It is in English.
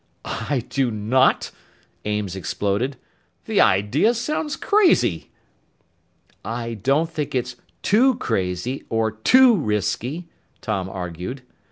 "I do not!" Ames exploded. "The idea sounds crazy!" "I don't think it's too crazy or too risky," Tom argued.